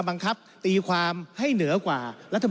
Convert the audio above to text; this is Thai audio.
ท่านประธานก็เป็นสอสอมาหลายสมัย